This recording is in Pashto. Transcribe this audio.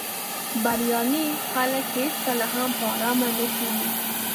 بریالي خلک هېڅکله هم په آرامه نه کیني.